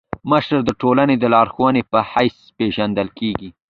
مشر د ټولني د لارښود په حيث پيژندل کيږي.